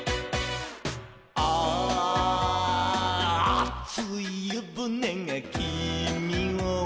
「あついゆぶねがきみを」